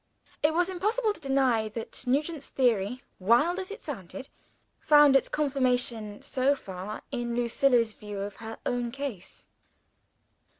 It was impossible to deny that Nugent's theory, wild as it sounded, found its confirmation, so far, in Lucilla's view of her own case.